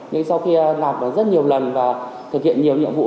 nhưng sau khi nạp được rất nhiều lần và thực hiện nhiều nhiệm vụ